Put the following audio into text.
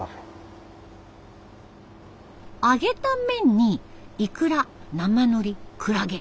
揚げた麺にイクラ生のりクラゲ。